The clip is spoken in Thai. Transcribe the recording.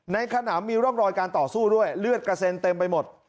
ขนำมีร่องรอยการต่อสู้ด้วยเลือดกระเซ็นเต็มไปหมด